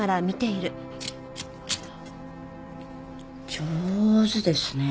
上手ですね。